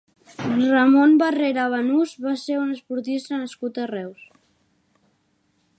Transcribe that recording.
Ramon Barrera Banús va ser un esportista nascut a Reus.